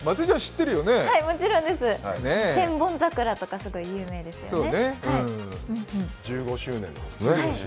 「千本桜」とかすごい有名ですね。